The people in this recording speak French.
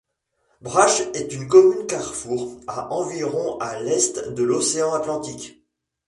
Brach est une commune carrefour à environ à l'est de l'océan Atlantique.